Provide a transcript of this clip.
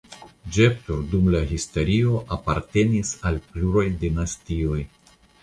Ĝetpur dum la historio apartenis al pluraj dinastioj.